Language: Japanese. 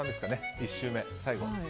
１周目、最後。